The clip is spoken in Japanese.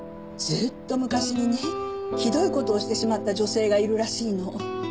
ずっと昔にねひどい事をしてしまった女性がいるらしいの。